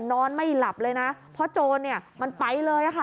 นอนไม่หลับเลยนะเพราะโจรเนี่ยมันไปเลยค่ะ